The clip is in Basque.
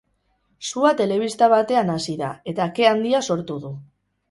Sua telebista batean hasi da, eta ke handia sortu du.